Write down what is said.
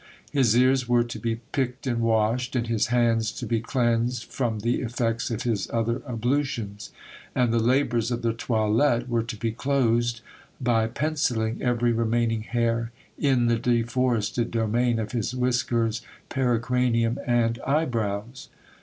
His ears were to be picked and washed, and his hands to be cleansed from the effects of his other ablutions ; and the labours of the toilette were to be closed, by pencilling every remaining hair in the dis forested domain of his whiskers, pericranium, and eyebrows.